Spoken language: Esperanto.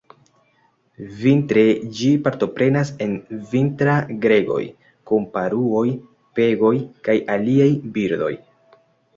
Vintre ĝi partoprenas en vintra-gregoj kun paruoj, pegoj, kaj aliaj birdoj.